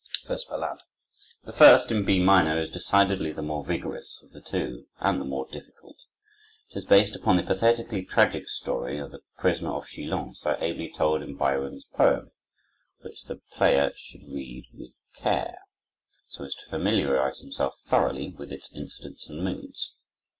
First Ballade The first, in B minor, is decidedly the more vigorous of the two, and the more difficult. It is based upon the pathetically tragic story of the Prisoner of Chillon, so ably told in Byron's poem, which the player should read with care, so as to familiarize himself thoroughly with its incidents and moods.